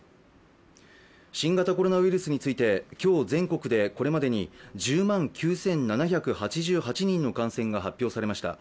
新型コロナウイルスについて、今日全国でこれまでに１０万９７８８人の感染が発表されました。